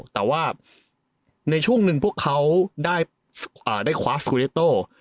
แต่ว่าในช่วงหนึ่งพวกเขาได้คว้าสกูเรตโต้